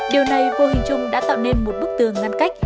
điều này vô hình chung đã tạo nên một bức tường ngăn cách